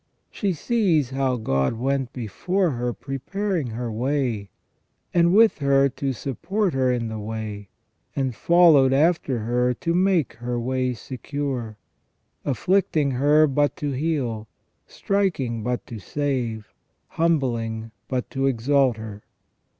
She sees how God went before her preparing her way, and with her to support her in the way, and followed after her to make her way secure; afflicting her but to heal, striking but to save, humbling but to exalt her.